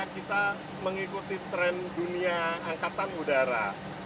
kita mengikuti tren dunia angkatan udara